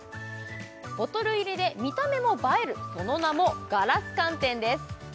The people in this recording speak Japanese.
ボトル入りで見た目も映えるその名も硝子寒天です